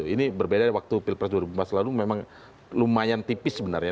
ini berbeda dari waktu pilpres dua ribu empat belas lalu memang lumayan tipis sebenarnya